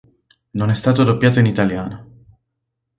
Non è stato doppiato in italiano.